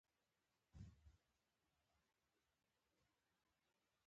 د پخواني معنویت جزیات اکثره په حدس ولاړ دي.